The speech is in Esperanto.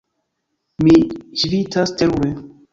Mi ŝvitas terure.